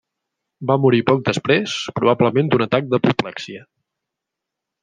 Va morir poc després, probablement d'un atac d'apoplexia.